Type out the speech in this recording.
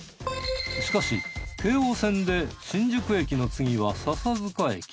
しかし京王線で新宿駅の次は笹塚駅。